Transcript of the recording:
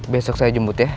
besok saya jemput ya